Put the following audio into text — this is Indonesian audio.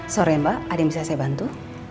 sore mbak ada yang bisa saya bantu